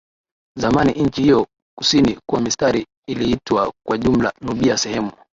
Zamani nchi hiyo kusini kwa Misri iliitwa kwa jumla Nubia sehemu